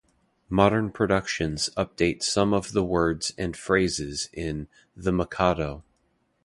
Modern productions update some of the words and phrases in "The Mikado".